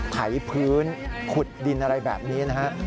ไถพื้นขุดดินอะไรแบบนี้นะฮะ